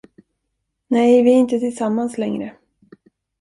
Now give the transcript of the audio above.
Nej, vi är inte tillsammans längre.